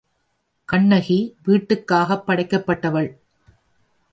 கண்ணகி வீட்டுக்காகப் படைக்கப்பட்டவள்.